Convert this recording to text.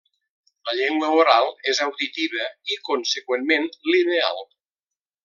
La llengua oral és auditiva i, conseqüentment, lineal.